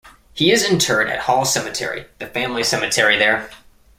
He is interred at Hall Cemetery, the family cemetery there.